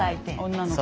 女の子。